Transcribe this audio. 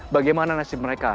bagaimana nasib mereka